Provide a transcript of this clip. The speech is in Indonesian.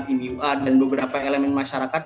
pni uar dan beberapa elemen masyarakat